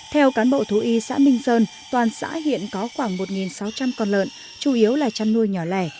theo cán bộ thú y xã minh sơn toàn xã hiện có khoảng một sáu trăm linh con lợn chủ yếu là chăn nuôi nhỏ lẻ